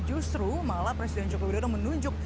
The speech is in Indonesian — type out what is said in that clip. justru malah presiden joko widodo menunjuk